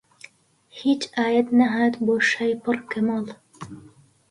هیچ ئایەت نەهات بۆ شای پڕ کەماڵ